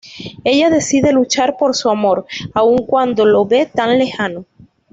Ella decide luchar por su amor, aun cuando lo ve tan lejano.